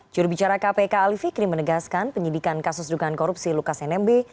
jurubicara kpk ali fikri menegaskan penyidikan kasus dugaan korupsi lukas nmb